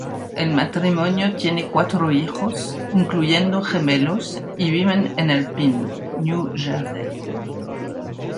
El matrimonio tiene cuatro hijos, incluyendo gemelos, y viven en Alpine, New Jersey.